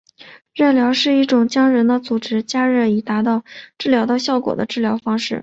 热疗是一种将人的组织加热以达到治疗的效果的治疗方式。